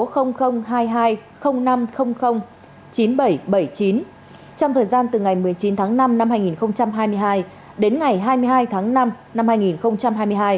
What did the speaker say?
trong thời gian từ ngày một mươi chín tháng năm năm hai nghìn hai mươi hai đến ngày hai mươi hai tháng năm năm hai nghìn hai mươi hai